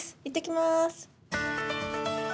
いってきます。